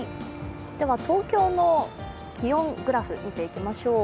では東京の気温グラフ、見ていきましょう。